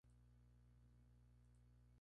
Allí se les une Shin, que pasa a ser el bajista.